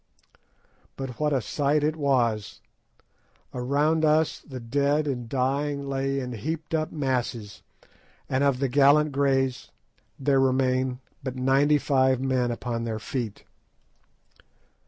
But what a sight it was! Around us the dead and dying lay in heaped up masses, and of the gallant Greys there remained but ninety five men upon their feet.